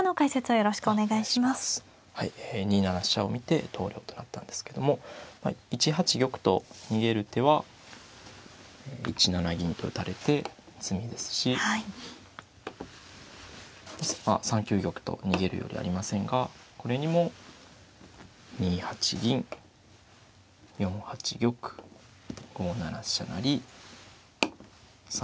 はいえ２七飛車を見て投了となったんですけども１八玉と逃げる手は１七銀と打たれて詰みですし３九玉と逃げるよりありませんがこれにも２八銀４八玉５七飛車成３八